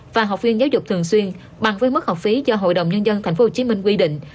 và học viên giáo dục thường xuyên bằng với mức học phí do hội đồng nhân dân thành phố hồ chí minh quy định